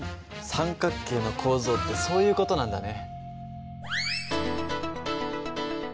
三角形の構造ってそういう事なんだね。